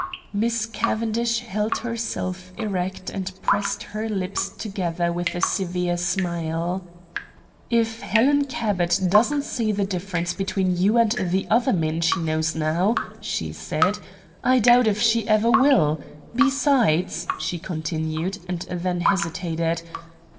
Miss Cavendish held herself erect and pressed her lips together with a severe smile. "If Helen Cabot doesn't see the difference between you and the other men she knows now," she said, "I doubt if she ever will. Besides " she continued, and then hesitated.